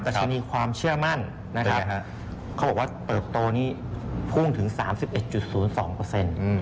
ชนีความเชื่อมั่นนะครับเขาบอกว่าเติบโตนี้พุ่งถึง๓๑๐๒เปอร์เซ็นต์